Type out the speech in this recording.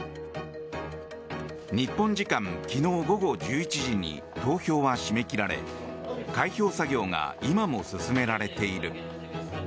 日本時間昨日午後１１時に投票は締め切られ開票作業が今も進められている。